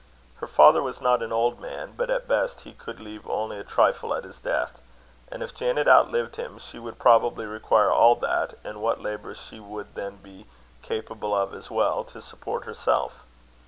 Her father was not an old man, but at best he could leave only a trifle at his death; and if Janet outlived him, she would probably require all that, and what labour she would then be capable of as well, to support herself.